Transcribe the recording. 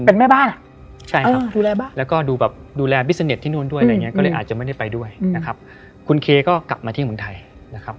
เป็นแม่บ้านอ่ะใช่ครับดูแลบ้านแล้วก็ดูแบบดูแลบิสเน็ตที่นู่นด้วยอะไรอย่างเงี้ก็เลยอาจจะไม่ได้ไปด้วยนะครับคุณเคก็กลับมาที่เมืองไทยนะครับ